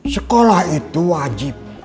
sekolah itu wajib